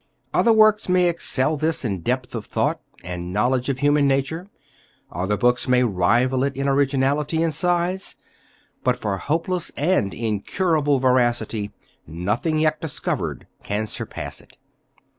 _Other works may excel this in depth of thought and knowledge of human nature: other books may rival it in originality and size_; but, for hopeless and incurable veracity, nothing yet discovered can surpass it.